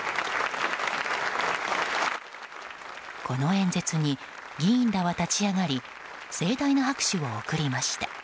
この演説に議員らは立ち上がり盛大な拍手を送りました。